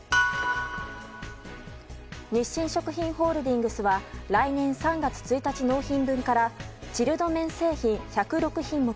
日清食品ホールディングスは来年３月１日納品分からチルド麺製品１０６品目